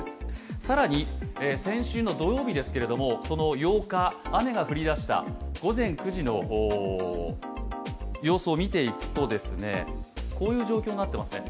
更に先週の土曜日ですけれども８日、雨が降り出した午前９時の様子を見ていくと、こういう状況になっていますね。